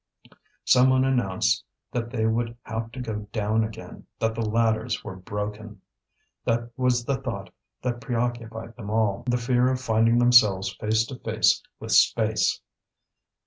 Someone announced that they would have to go down again, that the ladders were broken. That was the thought that preoccupied them all, the fear of finding themselves face to face with space.